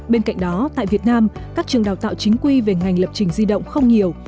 bên cạnh đó tại việt nam các trường đào tạo chính quy về ngành lập trình di động không nhiều